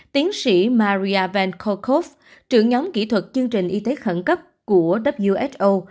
tiến sĩ maria van kerkhove trưởng nhóm kỹ thuật chương trình y tế khẩn cấp của who